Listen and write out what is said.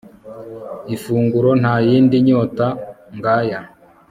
ifunguro, nta yindi nyota ng'aya